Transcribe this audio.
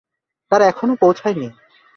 তারা এখনো পৌঁছায়নি।